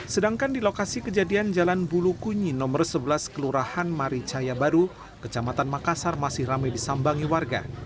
sedangkan di lokasi kejadian jalan bulukunyi nomor sebelas kelurahan maricaya baru kecamatan makassar masih ramai disambangi warga